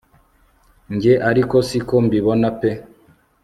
njye ariko siko mbibona pe